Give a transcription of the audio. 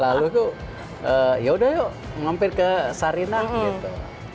lalu tuh yaudah yuk ngampir ke sarinah gitu